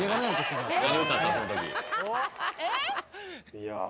いや。